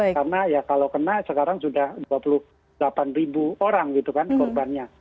karena ya kalau kena sekarang sudah dua puluh delapan ribu orang gitu kan korbannya